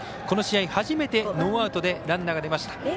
この試合初めてノーアウトでランナーが出ました。